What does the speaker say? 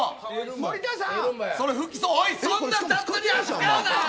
森田さん